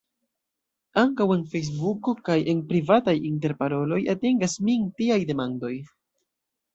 Ankaŭ en Fejsbuko, kaj en privataj interparoloj, atingas min tiaj demandoj.